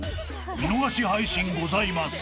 見逃し配信ございます］